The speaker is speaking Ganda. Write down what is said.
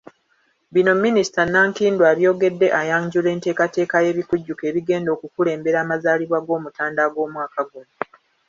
Bino minisita Nankindu abyogedde ayanjula enteekateeka y'ebikujjuko ebigenda okukulembera amazaalibwa g'omutanda ag'omwaka guno.